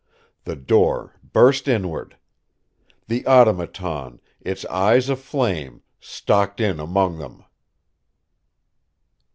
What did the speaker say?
The door burst inward. The Automaton, its eyes aflame, stalked in among them!